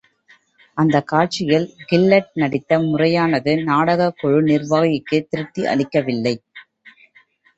அந்தக் காட்சியில் கில்லெட் நடித்த முறையானது நாடகக் குழு நிர்வாகிக்குத் திருப்தி அளிக்கவில்லை.